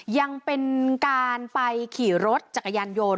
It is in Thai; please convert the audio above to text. ยังเป็นการไปขี่รถจักรยานยนต์